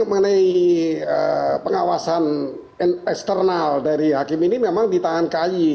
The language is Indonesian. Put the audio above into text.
mengenai pengawasan eksternal dari hakim ini memang di tangan kay